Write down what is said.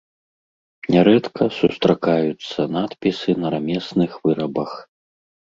Нярэдка сустракаюцца надпісы на рамесных вырабах.